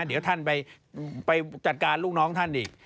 เดี๋ยวท่านไปจัดการลูกน้องท่านอีก